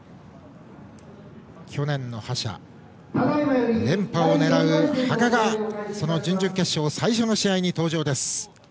去年の覇者、連覇を狙う羽賀がその準々決勝の最初の試合に登場です。